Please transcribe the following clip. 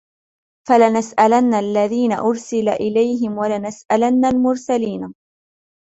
فَلَنَسْأَلَنَّ الَّذِينَ أُرْسِلَ إِلَيْهِمْ وَلَنَسْأَلَنَّ الْمُرْسَلِينَ